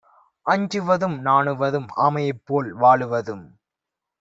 அஞ்சுவதும் நாணுவதும் ஆமையைப்போல் வாழுவதும்